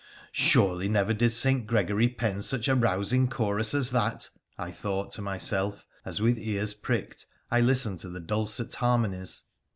' Surely never did St. Gregory pen such a rousing chorus as that,' I thought to myself, as, with ears pricked, I listened to the dulcet har monies.